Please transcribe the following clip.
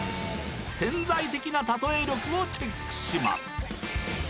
潜在的なたとえ力をチェックします！